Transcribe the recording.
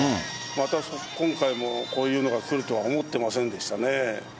また今回もこういうのがくるとは思ってませんでしたね。